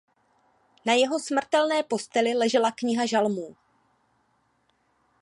Na jeho smrtelné posteli ležela Kniha žalmů.